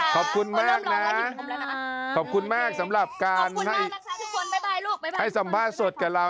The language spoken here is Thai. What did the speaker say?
พอว่าไม่รู้เรื่องเท่าไรแค่ไปเยี่ยมอีกอีกครับ